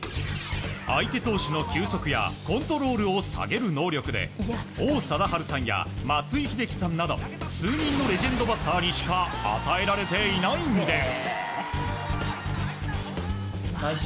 相手投手の球速やコントロールを下げる能力で王貞治さんや松井秀喜さんなど数人のレジェンドバッターにしか与えられていないんです。